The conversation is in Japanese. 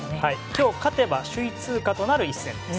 今日勝てば首位通過となる一戦です。